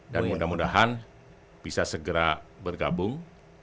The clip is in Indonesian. dan mudah mudahan bisa segera bergabung